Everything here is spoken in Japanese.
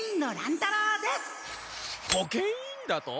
保健委員だと？